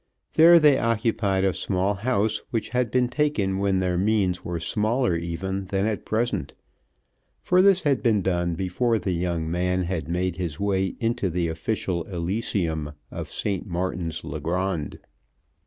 There they occupied a small house which had been taken when their means were smaller even than at present; for this had been done before the young man had made his way into the official elysium of St. Martin's le Grand.